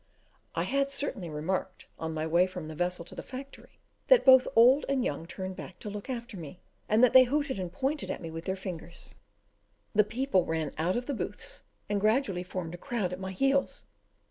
I had certainly remarked, on my way from the vessel to the factory, that both old and young turned back to look after me, and that they hooted and pointed at me with their fingers; the people ran out of the booths, and gradually formed a crowd at my heels.